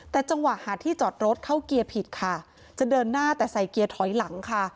แต่จังหวะหาที่จอดรถเข้าเกียร์ผิดค่ะจะเดินหน้าแต่ใส่เกียร์ถอยหลังค่ะ